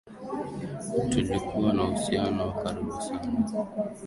Tulikuwa na uhusiano wa karibu sana